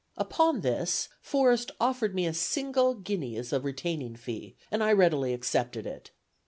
"Upon this, Forrest offered me a single guinea as a retaining fee, and I readily accepted it.